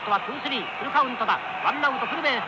ワンナウトフルベース。